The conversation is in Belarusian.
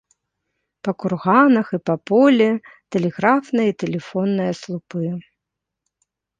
Па курганах і па полі тэлеграфныя і тэлефонныя слупы.